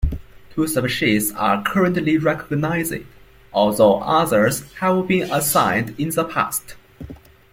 Two species are currently recognized, although others have been assigned in the past.